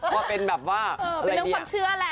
ว่าเป็นแบบว่าเป็นเรื่องความเชื่อแหละ